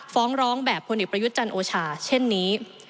ฟ้องร้องแบบพลเอกประยุทธ์จันทร์โอชาเช่นนี้